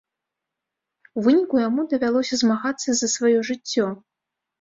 У выніку, яму давялося змагацца за сваё жыццё.